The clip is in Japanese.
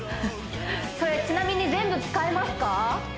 それちなみに全部使えますか？